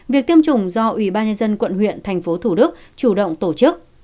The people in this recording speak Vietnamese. việc tiêm chủng do ubnd quận huyện tp thủ đức chủ động tổ chức